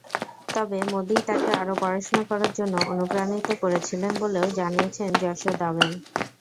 তবে মোদিই তাঁকে আরও পড়াশোনা করার জন্য অনুপ্রাণিত করেছিলেন বলেও জানিয়েছেন যশোদাবেন।